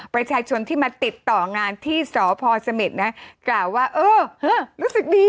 ประชาชนที่มาติดต่องานที่สพเสม็ดนะกล่าวว่าเออรู้สึกดี